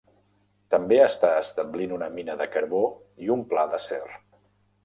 També està establint una mina de carbó i un pla d'acer.